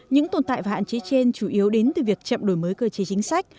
những tồn tại và hạn chế trên chủ yếu đến từ việc chậm đổi mới cơ chế chính sách